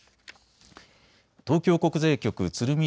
東京国税局鶴見